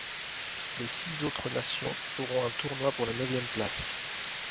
Les six autres nations joueront un tournoi pour la neuvième place.